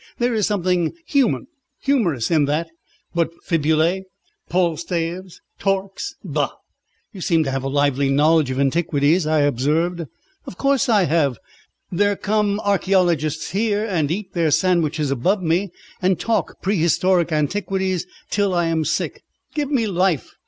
There is something human, humorous, in that, but fibulæ, palstaves, torques bah!" "You seem to have a lively knowledge of antiquities," I observed. "Of course I have. There come archæologists here and eat their sandwiches above me, and talk prehistoric antiquities till I am sick. Give me life!